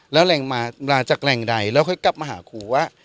แล้วมาจากแหล่งใดแล้วค่อยกลับมาหาครูว่า